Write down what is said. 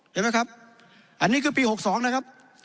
เห็นไหมครับอันนี้คือปี๖๒นะครับ